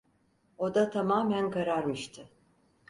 Oda tamamen kararmıştı.